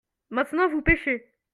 maintenant vous pêchez.